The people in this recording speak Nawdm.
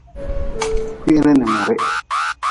Kwiri n mirih.